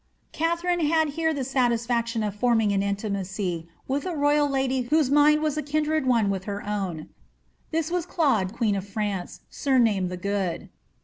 Katliarine had here the satisfaction of forming an intimaey with a royal lady whose mind was a kindred one with her own ; this was Claude queen of France, sumamed the Good.